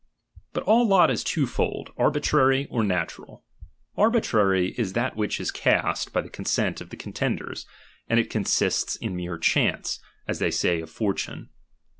But all lot is twofold, arbitrary or natural, j^"^^'^^^ Arbitrary is that which is cast by the consent of right un.i iirst the contenders, and it consists iu mere chance, as^" they say, or fortune.